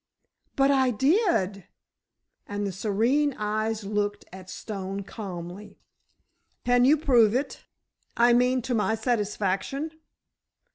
"But I did," and the serene eyes looked at Stone calmly. "Can you prove it—I mean, to my satisfaction?